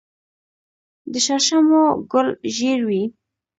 د شړشمو ګل ژیړ وي.